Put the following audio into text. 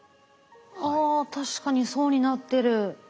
あ確かに層になってる。